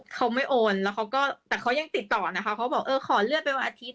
เขาไม่โอนแล้วเขาก็แต่เขายังติดต่อนะคะเขาบอกเออขอเลื่อนไปวันอาทิตย